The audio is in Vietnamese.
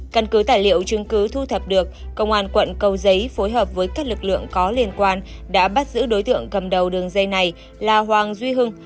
căn cứ tài liệu chứng cứ thu thập được công an quận cầu giấy phối hợp với các lực lượng có liên quan đã bắt giữ đối tượng cầm đầu đường dây này là hoàng duy hưng